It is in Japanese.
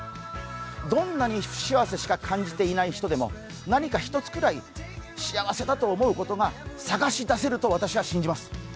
どんなに不幸せしか感じていない人でも、何か１つくらい幸せだと思うことが探し出せると私は信じます。